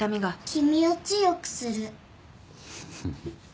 「君を強くする」